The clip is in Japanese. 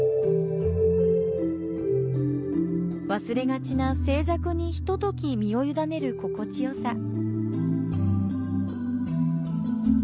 忘れがちな静寂にひととき身をゆだねる心地よさ。